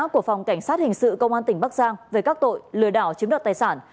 của phòng cảnh sát hình sự công an tỉnh bắc giang về các tội lừa đảo chiếm đoạt tài sản